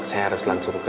saya harus langsung ke